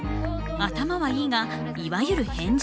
頭はいいがいわゆる変人。